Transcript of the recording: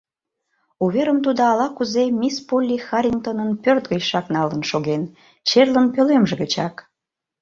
Уверым тудо ала-кузе мисс Полли Харрингтонын пӧрт гычшак налын шоген, черлын пӧлемже гычак.